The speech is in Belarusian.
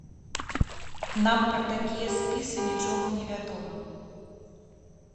Нам пра такія спісы нічога невядома.